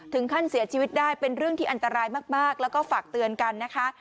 ถึงขั้นเสียชีวิตได้เป็นเรื่องที่อันตรายมากแล้วก็ฝากเตือนกันนะคะ